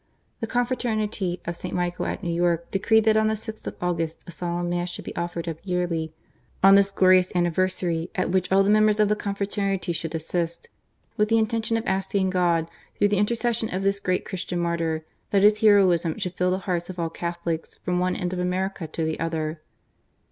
The Confraternity of St. Michael at New York decreed that on the 6th of August a Solemn Mass should be offered up yearly " on this glorious anniversary, at which all the members of the confraternity should assist, with the intention of asking God, through the intercession of this great Christian martyr, that his heroism should fill the hearts of all Catholics from one end of America to the other."